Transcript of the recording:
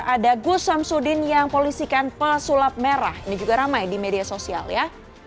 ada gus samsudin yang polisikan pesulap merah ini juga ramai di media sosial ya